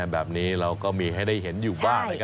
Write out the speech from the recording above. แบบนี้เราก็มีให้ได้เห็นอยู่บ้างนะครับ